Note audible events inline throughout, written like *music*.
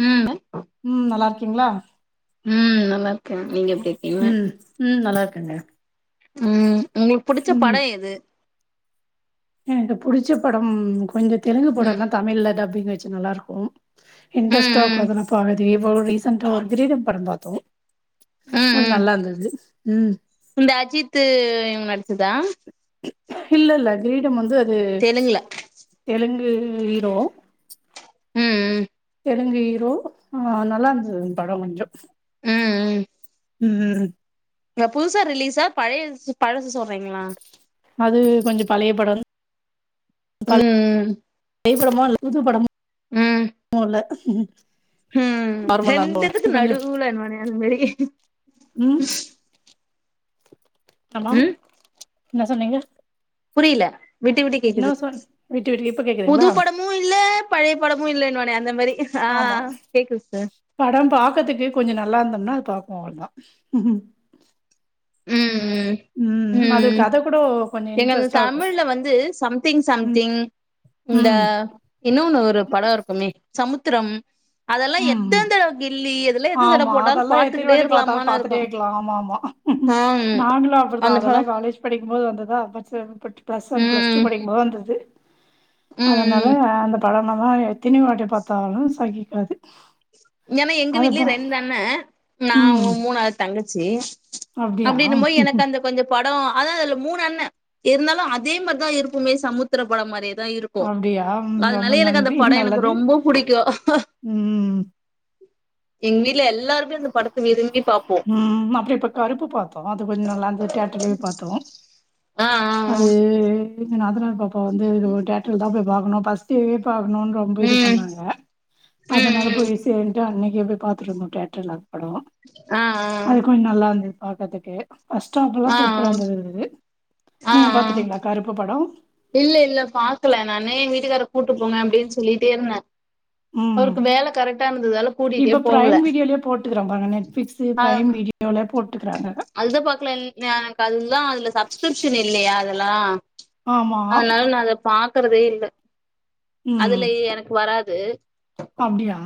உம் உம் நல்லா இருக்கீங்களா உம் நல்லா இருக்கே நீங்க உம் உம் நல்லா க்கங்க உம் உங்களுக்கு புடிச்ச பட எது எனக்கு புடிச்ச படம் கொஞ்ச தெலுங்கு ம் படம்லா தமிழல டப்பிங் ச்சி நல்லா இருக்கு ம் இன்ட்ரெஸ்டா ம் உக்காந்து நா *unintelligible* ஒரு ரீசன்டா ஒரு கிரீடம் படம் பாத்தோ ம் அது ம் நல்லா இருந்தது ம் இந்த அஜித்து இவங்க நடிச்சதா இல்ல இல்ல கிரீடம் வந்து து தெலுங்குல தெலுங்கு ஹீரோ அ அ தெலுங்கு ஹீரோ ஆ நல்லா இருந்தது அந்த படோ கொஞ்சோ அ அ ம் த புதுசா ரிலீஸா பழைய பழச சொ அது கொஞ்சோ பழைய படோ ம் ம் கைப் படமோ இல்ல *unintelligible* னுல்ல ம் ம் ரெண்டுத்துக்கு நடுவுல *unintelligible* கமா என்ன சொன்னீங்க புரில விட்டு விட்டு என்ன கேக்குது சொன் விட்டு விட்டு இப்ப கேக்குதுங்களா புது படமு இல்ல பழைய படமும் இல்லைனுவானே அந்த மாரி ஆ ஆம்மா கேக்குது சிஸ்டர் படம் பாக்கறதுக்கு கொஞ்ச நல்லா இருந்தோம்னா பா அவ்ள்தா ம் ம் உம் ம் அதுக்கு ம் அது கூட கொஞ்சோ எங்க இன்ட்ரெஸ்ட்டா இருக்கு தமிழ்ல வந்து சம்திங் ம் சம்திங் இந்த ம் இன்னொன்னு ஒரு படம் இருக்குமே சமுத்தரம் அதெல்லா ம் ம் எத்தன் தடவ கில்லி இதெல்லா எத்தன தடவ ஆமா போட்டாலும் அதெல்லா எத்தினி பாத்துக்கிட்டே வாட்டி பாத்தாலு இருக்கலாமானு இருக்கோ பாத்துட்டே இருக்கலா ஆமா ஆமா ஆம் அந்த படம் போது வந்ததா அப்பச்சே but plus one plus two ம் படிக்கும்போது வந்தது ம் அதனால ம் அந்த படமெல்லாய் எத்தினிவாட்டி பாத்தாலும் சகிக்காது ஏன்னா எங்க அதுப்பா வீட்லயும் ரெண்டு அண்ண நா ம் மூணாது தங்கச் சே அப்டியா அப்டினும்போது எனக்கு அந்த கொஞ்ச பா அத அதான் அதுல மூணு அண்ண இருந்தாலும் அதே மாரிதான் இருக்குமே சமுத்திரம் படம் மாரியே தான் இருக்கும் அப்டியா ம் ரொம்ப அதனாலே எனக்கு அந்த நன்றி படம் எனக்கு நல்லது ரொம்ப புடிக்கும் ம் எங்க வீட்டுல எல்லா உஹம் அப்புறோ இப்ப கருப்பு பாத்தோம் அது கொஞ்சோ நல்லாயிருந்தது தியேட்டர்லயே போய் பாத்தோம் ஆ ஆ ஆ அது எங்க நாத்தனார் பாப் இப்ப வந்து இதுவும் தியேட்டர்லதான் போய் வாங்கனும் ஃபர்ஸ்ட் எப்ப னு ரொம்ப இது ம் பண்ணாங்க ம் அதனால ம் போய் சேன்ட்டு அன்னைக் இத போய் பாத்திட்டு வந்தோம் தியேட் டெர்ல படம் ஆ ஆ அது கொஞ்சோ நல்லா இருந்தது பாக்கதுக்கு ஃபர்ஸ்ட் ஹாஃப் எல்லா ஆ ஆ சூப்பரா இருந்தது து ஆ ஆ நீங்க பாத்துட்டீங்களா கருப்பு படம் இல்ல இல்ல பாக்கல நானே வீட்டு வீட்டுக்கார கூட்டு போங்க அப்படின்னு சொல்லிட்டு தேர்ன உம் கூட்டிட்டே இப்ப போகல ப்ரைம் வீடியோலயே போட்டுக்கிறான் பாருங்க நெட்பிளிக்ஸ் பிரைம் வீடியோல போட்டு அத பாக்கல எனக்கு அதுதான் அதுல சப்ஸ்கிரிப்ஷன் இல்லயே யே அதெல்லா ச்சு ஆமா அதனாலும் நான் அத பாக் பாக்கறதே இல்ல ம் அதுலயே எனக்கு வராது *unintelligible* அப்டியா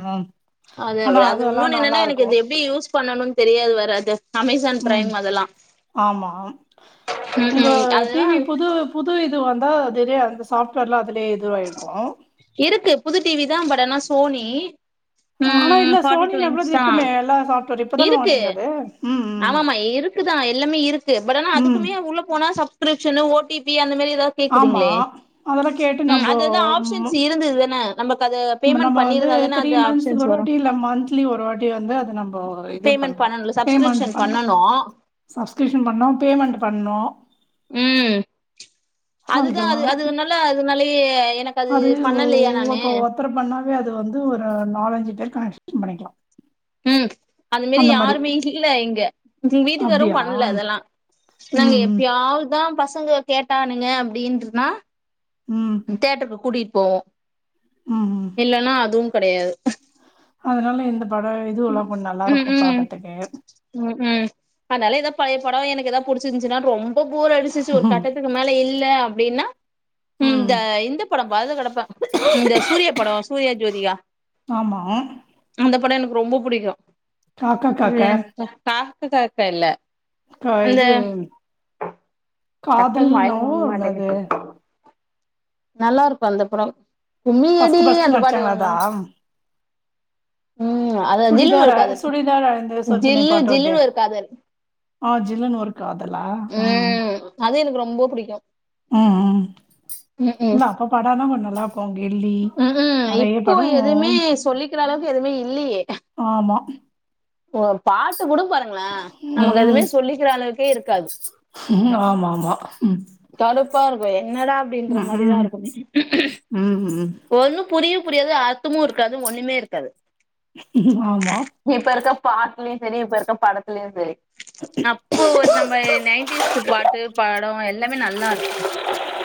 அ ஆனா அது அதெல்லா இன்னோன்னு என்னன்னா நல்லாருக்கு எனக்குது எப்படி யூஸ் பண்ணணும் தெரியாது வராது உம் ஆமா ம் உங்க ம் அதெல்லா டிவி புது புது யிது வந்தா தெரிய அந்த சாப்ட்வேர்லா அப்டியே இது வாய்ருகும் இருக்கு புது டிவி தான் பட்டானா சோனி உஹம் ஆனா ம் இல்ல ஃப்பார்ட்டி டூ சோனினா கூட இஞ்சு அது தா இருக்குமே எல்லா சாஃப்ட்வேர் இப்பதான இருக்கு வாங்குனீங்க அது ம் ம் ஆமாம இருக்குதான் எல்லாமே இருக்கு பட் ஆனா ம் அதுக்குமே உள்ள போனா sub subscription O T P அந்த மாரி ஏதாவது ஆமா கேக்குதுங்களே அதெல்லா கேட்டு ம் அதுதான் ஆப்ஷன்ஸ் இருந்தது தான நமக்கு அது பேமெண்ட் நம்ப வந்து பண்ணிருந்தா தான த்ரீ அது மந்த்ஸ்க்கு ஆப்ஷன்ஸ் ஒரு வரும் வாட்டி இல்ல மந்த்லி ஒரு வாட்டி வந்து அத நம்போ இது பேமெண்ட் பண்ணு பண்ணணும்ல பேமெண்ட் சப்ஸ்கிரிப்ஷன் பண்ணு பண்ணனு சப்ஸ்கிரிப்ஷன் பண்ணோ பேமெண்ட் பண்ணோ ம் அதுதா அது அது நல்ல அதுனாலயே எனக்கு அது பண்ணலையா நானு ஒப்போ அப்றம் அதாவே அது வந்து ஒரு நாலஞ்சு பேர் கனெக்க்ஷன் பண்ணிக்கலா ம் அந்த மேரி யாருமே *unintelligible* இங்க எங் வீட்டுக்காரு அப்டியா பண்ல அதெல்லா நாங்க ம் ம் எப்யாதுதா பசங்க கேட்டாணுங்க அப்டின்தா ம் தேட்ருக்கு கூட்டிட் போவோ ம் ம் இல்லனா அதும் கடையாது அதனால இந்த படம் எது ம் இல்லாம ம் நல்லாருக்கு பாக்கறதுக்கு ம் ம் அதனால ஏதா பழைய படொ எனக்கு எதா புடிச்சிச்சன்னா ரொம்ப ரொம்ப போர் அடிச்சிச்சு ஒரு கட்டத்துக்கு மேல இல்ல அப்டின்னா ம் த இந்த படொ பாத்துடு கடப்பே இந்த சூர்யா படம் சூர்யா ஜோதிகா ஆமா அந்த படம் எனக்கு ரொம்ப புடிக்கு காக்கா அது *unintelligible* க்க காக்க இல்ல ஆ அந்த இது காதல் நோ *unintelligible* நல்லாருக்கு அந்த படொ கும்மியடி ஃபஸ்ட்டு ஃபஸ்ட்டு அந்த பாட்டு நடிச்சாங்களே வருமே அதா ம் அதா ஜில்லுன்னு சுடிதார் ஒரு அ காதல் சுடிதார் அழந்து சொர்க்கமே ஜில்லு பாட்டு வருதே ஜில்லுனு ஒரு காதல் ஆ ஜில்லுனு ஒரு காதலா ம் அது எனக்கு ரொம்ப புடிக்கு ம் ம் ம் ம் இல்ல அப்ப படலா கொஞ்சோ நல்லாருக்கு கில்லி ம்ஹூம். நறைய இப்போ படம் இல்லியே ஆமா இப்ப ஒரு பாட்டு கூட பாருங்கள ம் நமக்கு எதுமே ம் சொல்லிக்கிற அளவுக்கே இருக்காது ஆமா ஆமா கடுப்பாருக்கு என்னடா அப்டின்ற ம் ம் மாரிதாருக்கு ம் ம் ஒன்னு புரி த்தியு புரியாது, அர்த்தமு இருக்காது, ஒண்ணுமே இருக்காது. ஆமா பாட்டுலயு சரி, இப்ப இருக்க படத்துலயு சரி அப்போ ஒரு நம்ம நைன்டீஸ் பாட்டு, பாடோ எல்லாமே நல்லாருக்கு.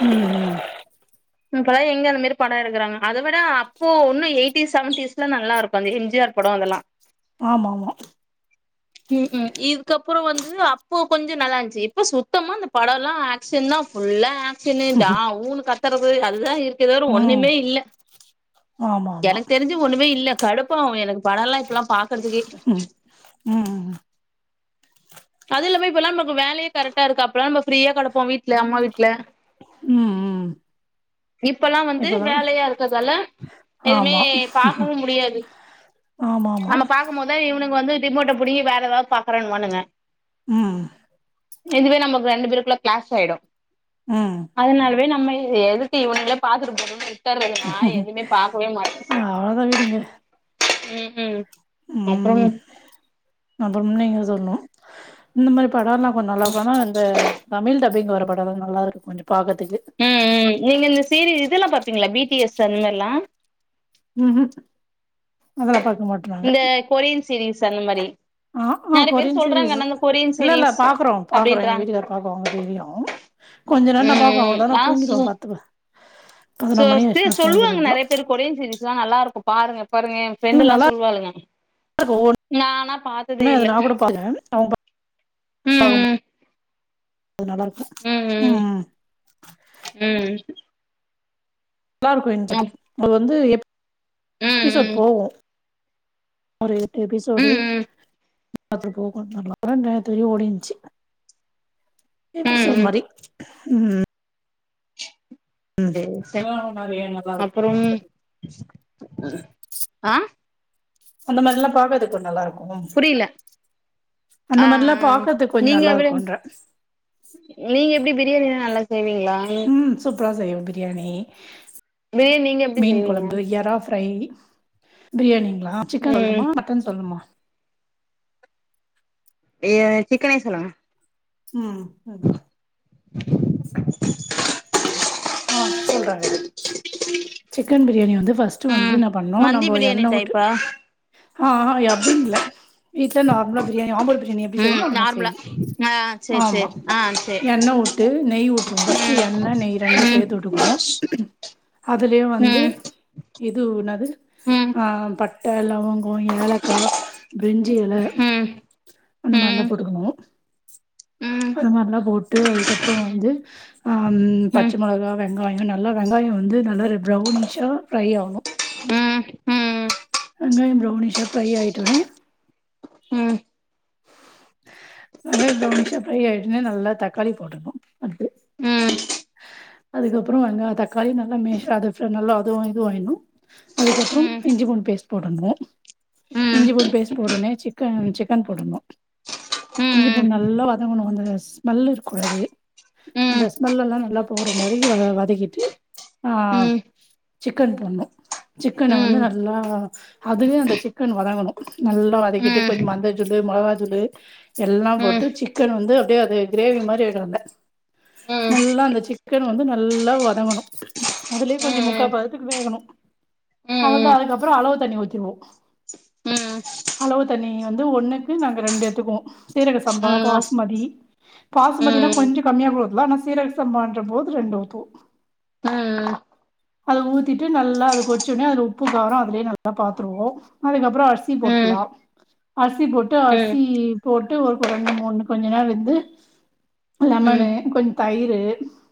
ம் ம் இப்பலா எங்க அந்த மாரி படம் எடுக்குறாங்க அதவிட அப்போ ஒன்னும் எயிட்டிஸ் செவன்டீஸ்ல நல்லா இருக்கு அந்த எம்ஜிஆர் படம் அதெல்லா ஆமாமா ம், ம் இதுக்கப்றோ வந்து அப்போ கொஞ்ச நல்லா இருந்துச்சு இப்ப சுத்தமா இந்த படம் எல்லா ஆக்சன்தா ஃபுல்ல ஆக்ஷனு டா ஊன்னு கத்துறது அதுதா இருக்கே தவர ஒரு ம் ஒண்ணுமே இல்ல ஆமா ஆமா எனக்கு தெரிஞ்சு ஒண்ணுமே இல்ல கடுப்பாவு எனக்கு படோல்லா இப்டில்லா பாக்றதுக்கே ம் ம் அது இல்லாம இப்ப எல்லா நமக்கு வேலையே கரெக்டா இருக்கு அப்பல்லா நம்ப ப்ரீயா கடப்போ வீட்ல அம்மா வீட் ல ம் ம் இப்பல்லா வந்து இப்பதா வேலையா இருக்கறதால எதுமே ஆமா பாக்கவு முடியாது ஆமா ஆமா நம்ம பாக்கும் போதா இவனுக் வந்து ரிமோட்டா பிடிங்கி வேற ஏதாவது பாக்குறுன்னுவுங்க ஆ இதுவே நம்ம ரெண்டு பேருக்குள்ள கிளாஸ் ஆயிடும் ம் அதனாலவே நம்ம எதுக்கு இவனங்கலே பாத்துட்டு போட்டு வீ ட்டுறது நா எதுவுமே பாக்கவே மாட்ட அவ்ளோதா விடுங்க உம் உம் அப்பறம் அப்பறம் நீங்க சொல்லணும் இந்த மாதிரி படம்லா கொஞ்ச நல்லா இருக்கு ஆனா இந்த தமிழ் டப் பிங் வர படதா நல்ல இருக்கு கொஞ்ச உம் ம் நீங்க இந்த சீர இதெல்லா பாப்பீங்களா பி டி எஸ் அந்த மாதிர எல்லா உம் ம் அது எல்லா இந்த கொரியன் சீரீஸ் அந்த மாரி ஆ ஆ நெறைய பேர் கொரியன் சொல்றாங்க சீரியஸ் ஆனா இந்த கொரியன் இல்ல இல்ல சீரீஸ் பாக்குறோம் பாக்குறோம் எங்க அப்டின்றாங்க வீட்டுகர் பாக்குவா டெய்லி கொஞ்ச நேரம் நா ம் பாப்பே ம் அவளத நா சு தூங்கிடுவ பாத்து சோ சி சொல்லுவாங்க நிறைய பேரு கொரின் சரீஸ்ல்லா நல்லா இருக்கு பாருங்க பாருங்க என் இல்ல ஃப்ரெண்டு எல்லா நல்லா சொல்லுவாளுங்க நானா பார்த்ததே இருக்குனு இல்ல அது நா கூட பாக்குவே அவங்க உம் ம் அது நல்லா இருக்கு ம் ம் உம் ம் நல்லா ம் இருக்கு ம் *unintelligible* அது வந்து எப் ம் எப்பிசோட் ம் போவோ ஒரு எபிசோடு ம் மாத்த போகரலாம் அப்புறண்டாயத்த ஓடிச்சு ம் ம் எப்பிசோட் ம் மாரி ம் சேரி செ ஆ நெறைய நல்லா அப்புறம் இருக்கு ஆ அந்த மாரில்லா பாக்கதுக்கு நல்லாருக்கு புரில அந்த ஆ மாரிலா ஆ பாக்கறதுக்கு கொஞ்ச நீங்க நல்லா எப்டி இருக்குன்ற நீங்க எப்டி பிரியாணிலா நல்லா செய்வீங்ளா ம் ப்ரா செய்வ பிரியாணி பிரியாணி நீங்க எப்டி செய்வீங்க பிரியாணிங்ளா ஆ சிக்கன் ம் சொல்லட்டுமா மட்டன் சொல்லணுமா ஏ சிக்கனே சொல்லுங்க ம் இந்தோ வர்றே ஆ சொல்றேங்க சிக்கன் பிரியாணி வந்து ஃபர்ஸ்ட் வந்து ம் நம் பண்ணோ மந்தி நம்ப பிரியாணி எண்ணெ விட்டு டைப்பா ஆ ஆஹா அப்டின் இல்ல வீ்ட்ல நார்மலா பிரியாணி ஆம்பூர் பிரி யாணி எப்டி ம் செய்வோமோ அந்த மாரி நார்மலா செய்யணு ஆ சேர் ஆமா சேர் ஆ சேர் எண்ணெ வுட்டு நெய் வுட்றனு ஃபர்ஸ்ட் எண்ணெ நெய் ரெண்டு ம் சேத்து விட்டுக்குவோ அதுலயு வந்து ம் இது என்னது ம் ஆ பட்ட லவங் கோ ஏலக்கா பிரிஞ்சிஎல ம் அந்த மாரில்லா ம் போட்டுக்கணு ம் ம் அந்த மாரிலா போட்டு அதுக்கப்பறோ வந்து ஆ பச்ச ம் மெளகா வெங்காயோ நல்லா வெங்காயோ வந்து நல் ல ஒரு பிரௌன்னிஷா ஃப்ரை ஆகணு ம் ம் ம் வெங்காயோ பிரௌனிஷா ஃப்ரை ஆயிட்ட ஒன்னே ம் வெங்காயோ பிரௌனிஷா ஃப்ரை ஆயிட்ட ஒன்னே நல்லா தக்காளி போடணு அடுத்து ம் அதுக்கப்பறோ அங்க தக்காளி நல்லா மேஸ் ஆக நல்லா அதுவு இதுவு ஆயிட்னு அதுக்கப்பறோ இஞ்சி பூண்டு பேஸ்ட் போடணு இஞ்சி பூண்டு பேஸ்ட் போட்ட ஒன்னே சிக்க சிக்கன் போடணு இஞ்சி ம் பூண்டு நல்லா வதங்கணு அந்த ஸ்மெல் இருகக்கூடாது அந்த ம் ஸ்மெல்லல்லா எல்லா போற மைய வர்ற வதகிட்டு ஆ ம் ம் ஜிக்கன் போட்னும் ம் ஜிக்கன வந்து ம் நல்லா அதுக்கு அந்த ஜிக்கன் வதங்கனும் நல்லா வதங்கிட்டு ம் கொஞ்ச மஞ்சத்தூளு மொளகாத் தூளு எல்லாம் போட்டு ம் ஜிக்கன வந்து அப்டியே அது க்ரேவி மாரி வெக்க வந்த ம் ம் நல்லா அந்த ஜிக்கனு வந்து நல்லா வதங்கணும் அதுலே கொஞ்சோ முக்கா ம் பத்துக்கு வேகணும் ம் அவள்ட ம் அதுக்கப்புறோம் அளவு தண்ணி ஊத்திருவோம் ம் அளவு தண்ணி வந்து ஒண்ணுக்கு நாங்க ரெண்டு எடுத்துக்குவோம் சீரக சம்பா பாஸ்மதி பாசுமதினா கொஞ்ச கம்மியா கொட்லாம் ஆனா சீரக சம்பா போத்துல ரெண்டு உப்பு அது ஊத்திட்டு நல்லா கொச்சி ஒட்னே அதுல உப்பு காரோம் அதுலே நல்லா பாத்துருவோம் அதுகப்புறோம் அரிசி போட்டுக்லாம் அ சி போட்டு ம் அர்சி ம் போட்டு ஒரு ரெண்டு மூணு கொஞ்ச நேர வெந்து ம் லெமனு கொஞ்ச தயிர்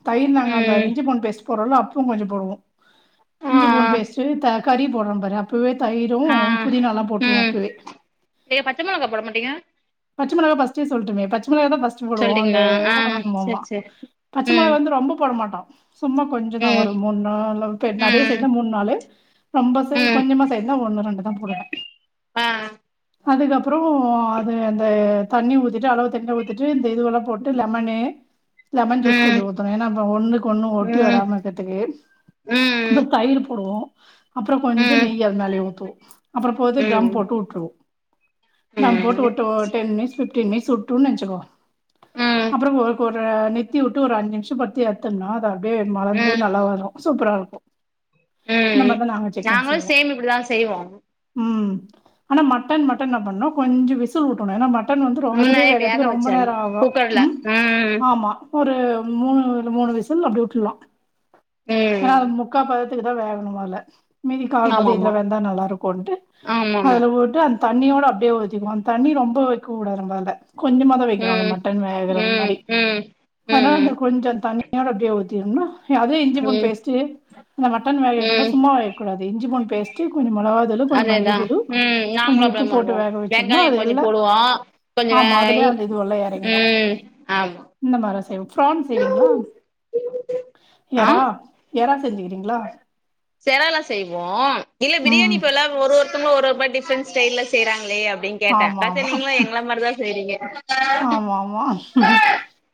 தயிர் நாங்க அந்த ம் இஞ்சி பூண்டு பேஸ்ட் போடுறோலோ அப்போ கொஞ்ச போடுவோம் ஆ இஞ்சி பூண்டு பேஸ்ட்டு த கறி போடுறோம் பாரு அப்போவே தயிரும் ஆ புதினல்லாம் போட்டுருவோம் ம் அப்பவே நீங்க பச்ச மிளகக்கா போட மாட்டீங்க ஃபர்ஸ்டே சொல்லிட்டோமே பச்ச உள்ளே தா ஃபர்ஸ்ட் போடுவோ அண்ட் சொல்ட்டீங்களா அ ஆ ஆமா ஆமா சேர் சேர் பச்ச மிளகா ம் வந்து போட மாட்டோ சும்மா கொஞ்சதா ம் ஒரு மூணு நாள் நிறைய ம் சேர்ந்த மூணு நாளுு ரொம்ப ச ம் கொஞ்சமா செத்தா ஒண்ணு ரெண்டு தா போடுவ ஆ அதுக்கப்றோ அது அந்த தண்ணி ஊத்திட்டு அளவு தண்ணிலா ஊத்திட்டு இந்த இதுவெல்லா போட்டு லெமனு லெமன் ஜூஸ் கொஞ்சோ ம் ஊ த்துனு ஏனா அப்றோ ஒன்னுக்கு ஒன்னு ஒட்டி ம் வராம இருக்கறதுக்கு ம் ம் கொஞ்சோ தயிர் போடுவோ அப்புறோ கொஞ்சோ ம் நெய் அதுமேலயே ஊத்துவோ அப்றோ போது தம் ம் போட்டு வுட்டுருவோ தம் போட்டு ம் வுட்டு ஒரு டென் மினிட்ஸ் டென் மினிட்ஸ் வுட்டோன்னு வச்சுக்கோ அப்றோ ஒர் ஒரு நித்தி விட்டு ஒரு அஞ்சு நிமிஷ த்து பத்தி எடுத்துட்னு அப்ப அப்டியே மலந்து ம் நல்லாவரு சூப்பராருக்கு ம் நாங்களும் சேம் இப்டிதா செய்வோ ம் ஆனா மட்டன் மட்டு என்ன பண்னு கொஞ்சோ விசில் வுட் ருனு ஏன்னா மட்டன் வந்து ரொ அதுலயே முன்னாடியே வேக வேகுறதுக்கு ரொம்ப வச்சாங்க நேரோ ஆகு, குக்கர்ல ம் ஆமா ஒரு மூணு ஒரு மூணு விசில் அப்டி விட்டுற்லா ஏன்னா அது ம் முக்கா பதத் இது தா வேகணும் முதல மீதி கால் ஆமா பதம் இதுல ஆமா வெந்த நல்லா இருக்குன்ட்டு ஆமா ஆமா அதுல போட்டு அந் தண்ணியோட அப்டியே ஊத்திக்கலா தண்ணி ரொம்ப வைக்கக்கூடாது நம்ம கொஞ்சமா தா வைக்கணும் அந்த ம் மட்டன் வேகுற ம் மாதிரி ம் ஆனா‌ ம் அந்த கொஞ்ச தண்ணியோட அப்டியே ஊத்தி தின்னு அது இஞ்சி பூண்டு ம் பேஸ்ட்டு அந்த மட்டன் வேக வைக்கும்போது ம் சும்மா வேக வைக்கூடாது இஞ்சி பூண்டு பேஸ்ட்டு கொஞ்சம் மிளகா தூளு கொஞ்சம் அதேதா மஞ்சள் தூளு ம் நாங்களு கொஞ்சம் உப்பு அப்டிதா போட்டு பண்ணுவோ வேக வச்சோம்னா வெங்காயோ அது கொஞ்சோ எல்லா போடுவோ கொஞ்சோ வே ஆமா அதுலயே அந்த இதுவெல்லாம் எறங்கிடும் ம் ஆமா இந்த மாரி தா செய்வோ பிரான் செய்வீங்களா ஆ எறா எறா செஞ்சுக்கிறீங்களா சென்ன லா செய்வோ இல்ல பிரியாணி ம் இப்ப எல்லாரு ஒரு ஒருத்தவ்ங்க ஒரு ஒர் மாரி டிஃப்ரெண்ட் ஸ்டெய்ல்ல செய்ராங்களே அப் ப்டின் கேட்டே ஆமா லாஸ்ட்டா ஆமா நீங்களு எங்கள மாரிதா செய்றீங்க ஆமா ஆமா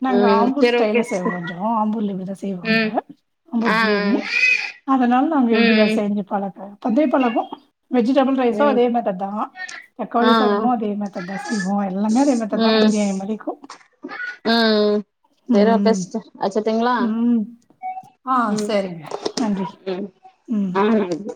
நாங்க ம் ஆம்பூர் செரி ஸ்டைல்ல ஓகே செய்வோ சிஸ்டர் கொஞ்சோ ஆம்பூர்ல இப்டிதா செய் செய்வாங்க ம் அந்த ஆ பிரியாணி ஆ அதலா நாங்க இப்டிதா ம் செஞ்சு பழக்க அதே பழக்க வெஜிடபிள் ரைஸு ம் அதே மாட்ட தா ஆ தக்காளி சாதமு அதே மாட்ட தா செய்வோ எல்லாமே அதே மாட்ட தா உம்ஸ் பிரியாணி வரைக்கு உம் உம் செரி ம் எனக்கு *unintelligible* அது செத்தநேர ம் ஆ உம் சரிங்க நன்றி உம் ம் ஆஹ்